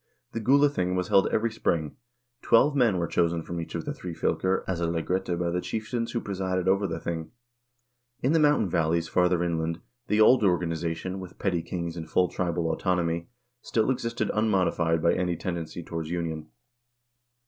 The Gulathing was held every spring. Twelve men were chosen from each of the three fylker as a lagrette by the chieftains who presided over the thing. In the mountain valleys farther inland the old organization, with petty kings and full tribal autonomy, still existed unmodified by any tendency towards union.